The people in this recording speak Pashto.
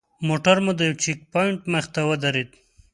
موټر مو د یوه چیک پواینټ مخې ته ودرېد.